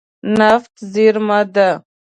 نفت زیرمه ده.